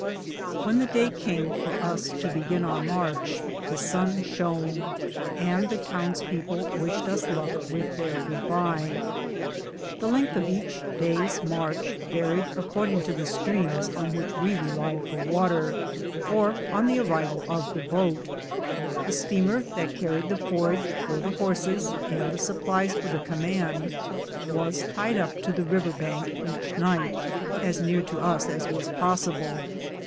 When the day came for ns to begin onr march, the sun shone and the towns people wished us good luck with their good bye. The length of each day's march varied according to the streams on which we relied for water, or the arrival of the boat. The steamer that carried the forage for the horses and the supplies for the command was tied up to the river bank every night, as near to us as was possible.